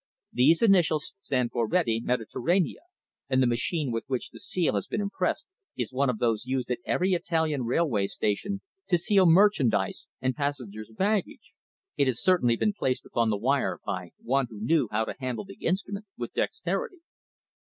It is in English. "These initials stand for Rete Mediterranea, and the machine with which the seal has been impressed is one of those used at every Italian railway station to seal merchandise and passengers' baggage. It has certainly been placed upon the wire by one who knew how to handle the instrument with dexterity."